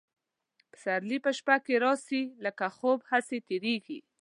پسرلي په شپه کي راسي لکه خوب هسي تیریږي